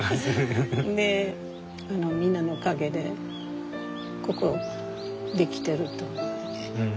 みんなのおかげでここ出来てると思うんで。